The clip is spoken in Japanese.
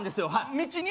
道に？